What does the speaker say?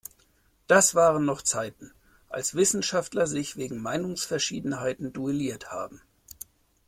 Das waren noch Zeiten, als Wissenschaftler sich wegen Meinungsverschiedenheiten duelliert haben!